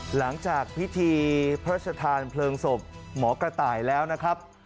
หลังจากพิธีพระชธานเพลิงศพหมอกระต่ายแล้วนะครับ